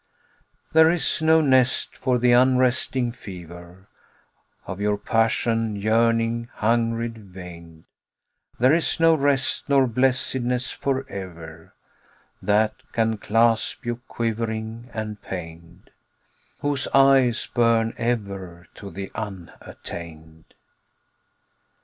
There is no nest for the unresting fever Of your passion, yearning, hungry veined; There is no rest nor blessedness forever That can clasp you, quivering and pained, Whose eyes burn ever to the Unattained.